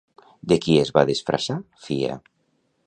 De qui es va disfressar Fia?